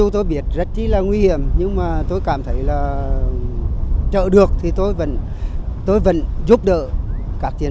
tôi vẫn giúp đỡ các tiến sĩ và ba con